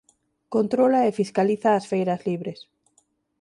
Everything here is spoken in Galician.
Controla e fiscaliza as feiras libres.